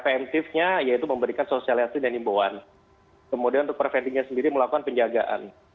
preventifnya yaitu memberikan sosialisasi dan imbauan kemudian untuk preventifnya sendiri melakukan penjagaan